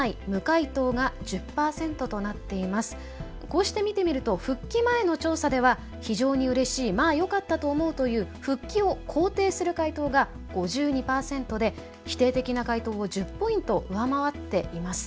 こうして見てみると復帰前の調査では「非常にうれしい」「まあよかったと思う」という復帰を肯定する回答が５２％で否定的な回答を１０ポイント上回っています。